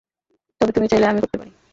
তবে তুমি চাইলে আমি করতে পারি।